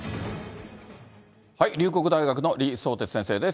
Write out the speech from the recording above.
龍谷大学の李相哲先生です。